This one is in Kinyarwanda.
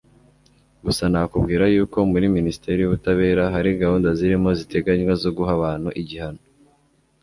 gusa nakubwira yuko muri minisiteri y'ubutabera hari gahunda zirimo ziteganywa zo guha abantu igihano